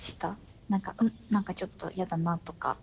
何かちょっと嫌だなとか。